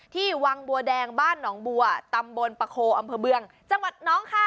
ที่วังบัวแดงบ้านหนองบัวตำบลปะโคอำเภอเมืองจังหวัดน้องคาย